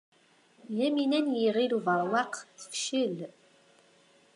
Yamina n Yiɣil Ubeṛwaq tefcel.